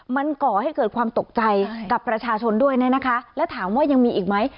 มันก่อให้เกิดความตกใจกับประชาชนด้วยเนี่ยนะคะแล้วถามว่ายังมีอีกไหม